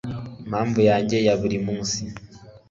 impamvu yanjye ya buri munsi